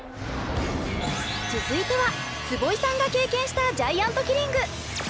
続いては坪井さんが経験したジャイアントキリング。